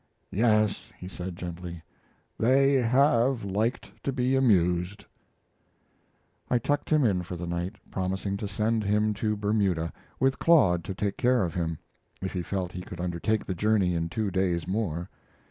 "Yes," he said, gently, "they have liked to be amused." I tucked him in for the night, promising to send him to Bermuda, with Claude to take care of him, if he felt he could undertake the journey in two days more.